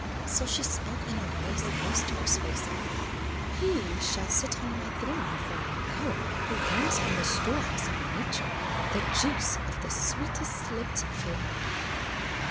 So she spoke in a voice most persuasive "He shall sit on my throne for an hour, Who brings from the store house of nature, The juice of the sweetest lipped flower."